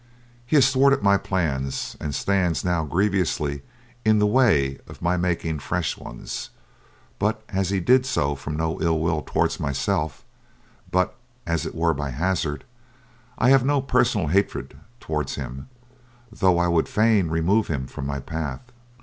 He has thwarted my plans, and stands now grievously in the way of my making fresh ones; but as he did so from no ill will towards myself, but as it were by hazard, I have no personal hatred towards him, though I would fain remove him from my path.